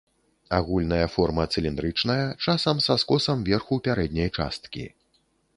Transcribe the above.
Агульная форма цыліндрычная, часам са скосам верху пярэдняй часткі.